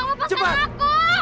tolong lepaskan aku